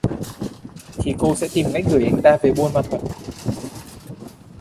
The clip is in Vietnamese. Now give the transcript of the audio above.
Thì cô sẽ tìm cách gửi anh ta về Buôn Ma Thuột